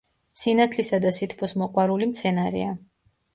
სინათლისა და სითბოს მოყვარული მცენარეა.